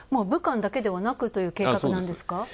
武漢だけではなくという計画なんですか？